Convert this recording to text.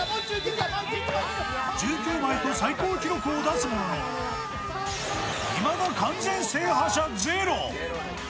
１９枚と最高記録を出すもののいまだ完全制覇者ゼロ。